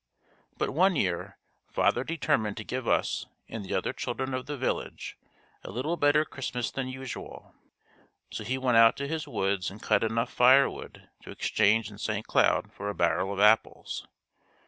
But one year, father determined to give us and the other children of the village a little better Christmas than usual. So he went out to his woods and cut enough fire wood to exchange in St. Cloud for a barrel of apples.